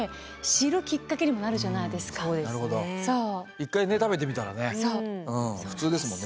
一回ね食べてみたらね普通ですもんね。